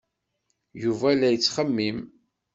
Yuba la yettxemmim.